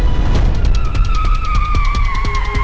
ya udah aku nelfon